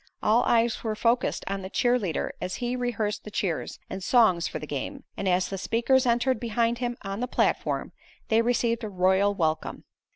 All eyes were focused on the cheer leader as he rehearsed the cheers and songs for the game, and as the speakers entered behind him on the platform, they received a royal welcome.